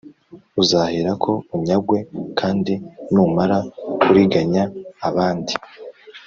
uzaherako unyagwe kandi numara kuriganya abanda